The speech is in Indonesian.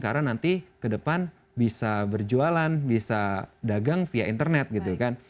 karena nanti ke depan bisa berjualan bisa dagang via internet gitu kan